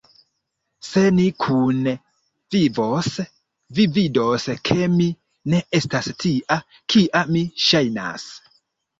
Se ni kune vivos, vi vidos, ke mi ne estas tia, kia mi ŝajnas!